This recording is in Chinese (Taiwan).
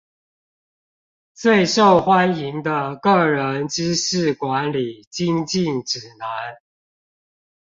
最受歡迎的個人知識管理精進指南